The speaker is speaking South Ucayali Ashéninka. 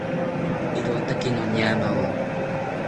¡Irotake noñamawo!